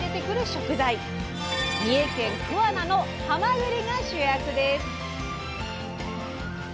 食材三重県桑名の「はまぐり」が主役です。